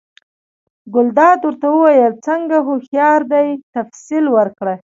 ګلداد ورته وویل: څنګه هوښیار دی، تفصیل ورکړه؟